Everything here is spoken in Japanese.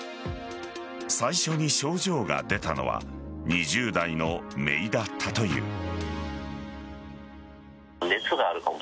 最初に症状が出たのは２０代のめいだったという。